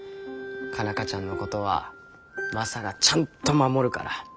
佳奈花ちゃんのことはマサがちゃんと守るから。